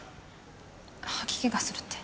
吐き気がするって。